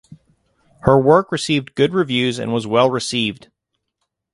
Her work received good reviews and was well received.